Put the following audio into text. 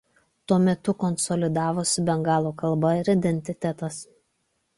Tuo metu konsolidavosi bengalų kalba ir identitetas.